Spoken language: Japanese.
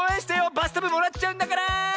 バスタブもらっちゃうんだから！